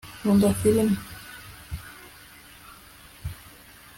nkunda firime